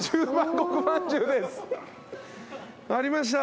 ありました。